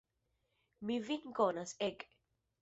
Mi vin konas, ek!